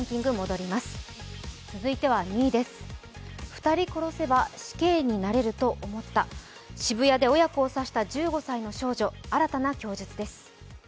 続いては２位です、２人殺せば死刑になれると思った、渋谷で親子を刺した１５歳の少女新たな供述です。